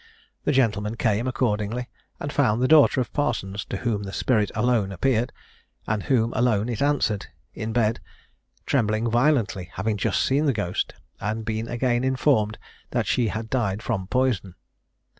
The gentleman came accordingly, and found the daughter of Parsons, to whom the spirit alone appeared, and whom alone it answered, in bed, trembling violently, having just seen the ghost, and been again informed that she had died from poison.